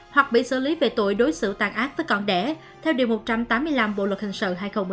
hoặc bị xử lý về tội đối xử tàn ác với con đẻ theo điều một trăm tám mươi năm bộ luật hình sự hai nghìn một mươi năm